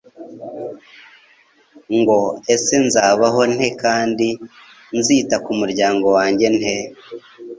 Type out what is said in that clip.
ngo: ese nzabaho nte kandi nzita ku muryango wanjye nte ?